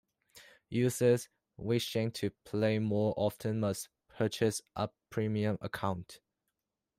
Users wishing to play more often must purchase a premium account.